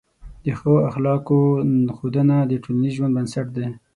د ښه اخلاقو ښودنه د ټولنیز ژوند بنسټ دی.